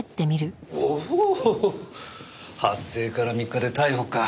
発生から３日で逮捕か。